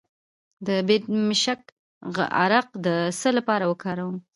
د بیدمشک عرق د څه لپاره وکاروم؟